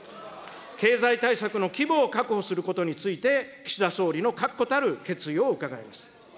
経済対策の規模を確保することについて、岸田総理の確固たる決意を伺います。